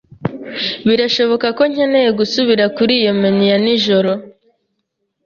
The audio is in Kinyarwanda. Birashoboka ko nkeneye gusubira kuri iyo menu ya nijoro